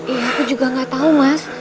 ya aku juga gak tau mas